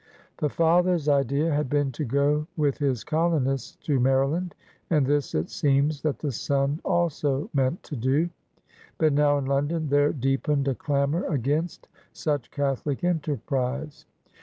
The father's idea had been to go with his colo nists to Maryland, and this it seems that the son also meant to do. But now, in London, there deepened a clamor against such Catholic enterprise.